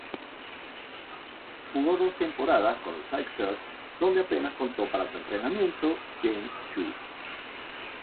Jugó dos temporadas con los Sixers, donde apenas contó para su entrenador, Gene Shue.